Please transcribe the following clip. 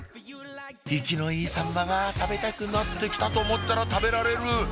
生きのいいさんまが食べたくなってきたと思ったら食べられる！